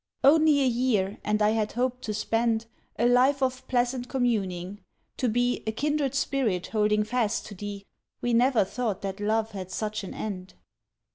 Only a year, and I had hoped to spend A life of pleasant communing, to be A kindred spirit holding fast to thee, We never thought that love had such an end.